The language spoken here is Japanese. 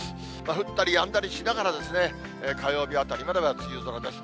降ったりやんだりしながら、火曜日あたりまでは梅雨空です。